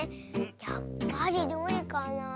やっぱりりょうりかなあ。